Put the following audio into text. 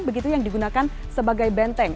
begitu yang digunakan sebagai benteng